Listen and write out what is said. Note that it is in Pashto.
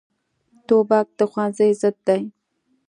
توپک د ښوونځي ضد دی.